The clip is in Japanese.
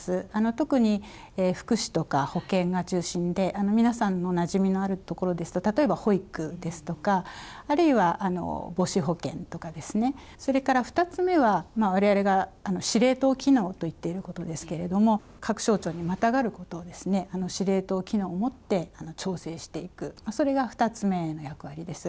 特に福祉とか保健が中心で、皆さんのなじみのあるところですと、例えば保育ですとか、あるいは母子保健とかですね、それから２つ目は、われわれが司令塔機能と言っていることですけれども、各省庁にまたがることを司令塔機能をもって、調整していく、それが２つ目の役割です。